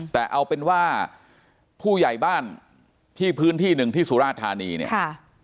แต่เอาเป็นว่าผู้ใหญ่บ้านที่พื้นที่หนึ่งที่สุราธานีเนี่ย